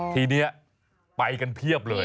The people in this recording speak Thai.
ทีนี้ไปกันเพียบเลย